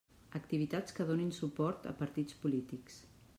Activitats que donin suport a partits polítics.